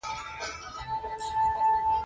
ډېر راپورونه مو اورېدلي و.